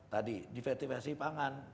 tadi divetivasi pangan